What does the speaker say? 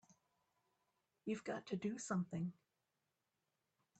You've got to do something!